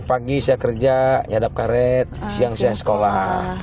pagi saya kerja nyadap karet siang saya sekolah